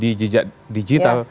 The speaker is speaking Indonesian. di jejak digital